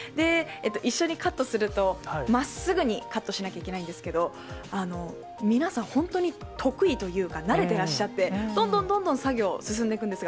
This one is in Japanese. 一緒にカットすると、まっすぐにカットしなきゃいけないんですけれども、皆さん、本当に得意というか、慣れてらっしゃって、どんどんどんどん作業が進んでいくんですよ。